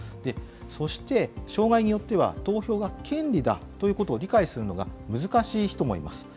そして障害によっては投票は権利だと理解するのが難しい人もいます。